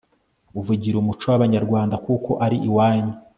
uvugira umuco wabanyarwanda kuko ari iwanyu